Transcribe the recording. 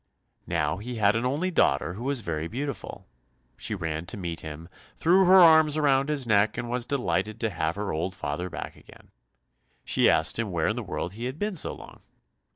Now he had an only daughter who was very beautiful; she ran to meet him, threw her arms round his neck, and was delighted to have her old father back again. She asked him where in the world he had been so long.